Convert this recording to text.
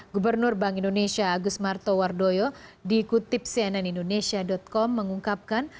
gubernur bank indonesia agus martowardoyo dikutip cnn indonesia com mengungkapkan